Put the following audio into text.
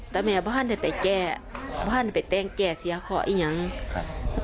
แต่แม่บ้านได้ไปแก้บ้านไปแต้งแก้เสียขออีกยังครับ